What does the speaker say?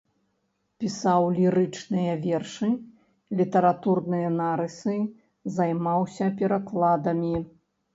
Пісаў лірычныя вершы, літаратурныя нарысы, займаўся перакладамі.